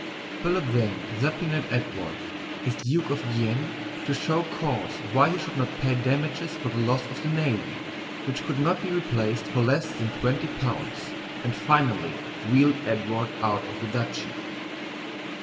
Philip then subpoenaed Edward, as Duke of Guienne, to show cause why he should not pay damages for the loss of the navy, which could not be replaced for less than twenty pounds, and finally wheedled Edward out of the duchy.